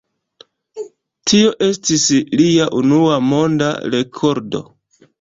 Tio estis lia unua monda rekordo.